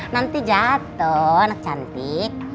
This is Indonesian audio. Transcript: nanti jatuh anak cantik